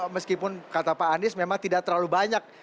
meskipun kata pak anies memang tidak terlalu banyak